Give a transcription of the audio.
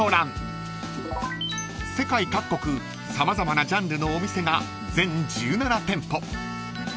［世界各国様々なジャンルのお店が全１７店舗］